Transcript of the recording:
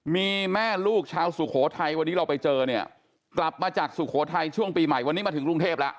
มีแม่ลูกชาวสุโขทัยวันนี้เราไปเจอเนี่ยกลับมาจากสุโขทัยช่วงปีใหม่วันนี้มาถึงกรุงเทพแล้ว